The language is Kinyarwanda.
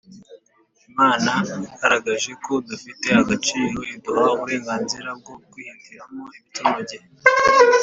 Imana yagaragaje ko dufite agaciro iduha uburenganzira bwo kwihitiramo ibitunogeye